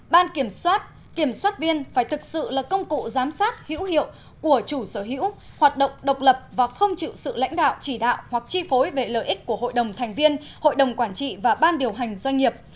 ban kiểm soát kiểm soát viên phải thực sự là công cụ giám sát hữu hiệu của chủ sở hữu hoạt động độc lập và không chịu sự lãnh đạo chỉ đạo hoặc chi phối về lợi ích của hội đồng thành viên hội đồng quản trị và ban điều hành doanh nghiệp